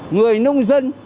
người nông dân